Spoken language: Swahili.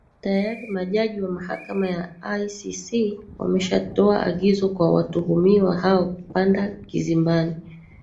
tayari majaji wa mahakama ya icc wameshatoa agizo kwa watuhumiwa hao kupanda kizimbani